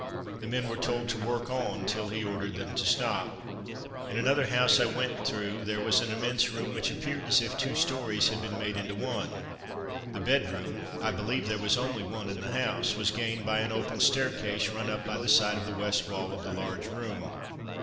The men were told to work on till he ordered them to stop. In another house I went through there was an immense room which appeared as if two stories had been made into one. The bedroom I believe there was only one in the house was gained by an open staircase, run up by the side of the west wall of the large room.